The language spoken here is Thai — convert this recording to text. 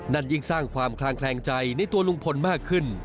ยิ่งสร้างความคลางแคลงใจในตัวลุงพลมากขึ้น